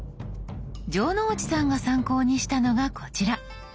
城之内さんが参考にしたのがこちら。